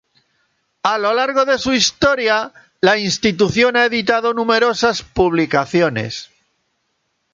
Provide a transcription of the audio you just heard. A lo largo de su historia, la institución ha editado numerosas publicaciones.